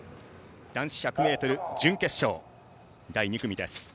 男子１００ｍ準決勝、第２組です。